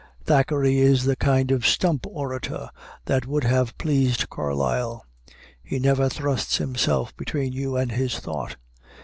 Thackeray is the kind of "stump orator" that would have pleased Carlyle. He never thrusts himself between you and his thought.